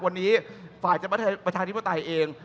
วันนี้ฝ่ายประชาธิปไตยเอง